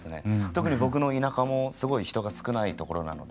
特に僕の田舎もすごい人が少ない所なので。